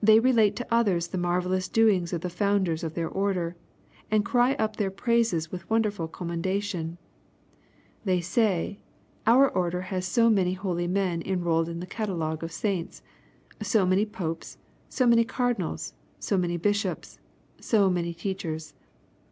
They relate to others the marvellous doings of the founders of their order, and cry up their praises with wonderful commendation. They say, our order has so many holy men* enrolled in the catalogue of saints, so many Popes, so many Cardinals, so many bishops, so many teachers.